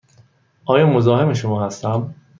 آیا مزاحم شما هستم؟